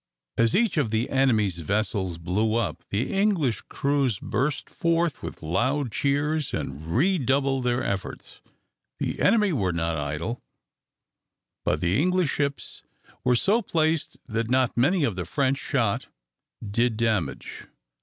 As each of the enemy's vessels blew up, the English crews burst forth with loud cheers, and redoubled their efforts. The enemy were not idle, but the English ships were so placed that not many of the French shot did damage.